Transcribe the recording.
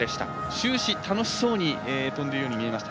終始楽しそうに跳んでいるように見えました。